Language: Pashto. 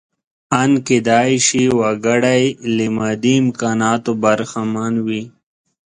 ان کېدای شي وګړی له مادي امکاناتو برخمن وي.